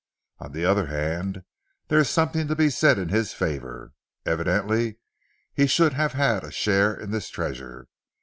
On the other hand there is something to be said in his favour. Evidently he should have had a share in this treasure.